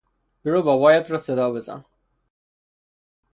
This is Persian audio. برو بابایت را صدا بزن!